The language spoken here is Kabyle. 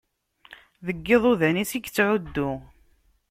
Deg iḍudan-is i yettɛuddu.